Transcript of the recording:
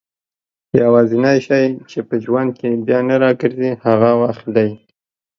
يوازينی شی چي په ژوند کي بيا نه راګرځي هغه وخت دئ